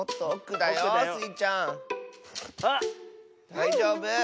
だいじょうぶ。